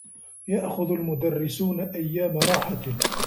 يأخذ المدرّسون أيّام راحة.